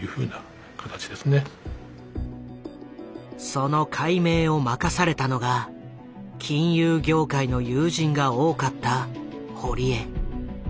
その解明を任されたのが金融業界の友人が多かった堀江。